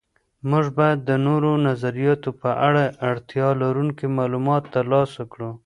موږ باید د نورو نظریاتو په اړه اړتیا لرونکي معلومات تر لاسه کړو.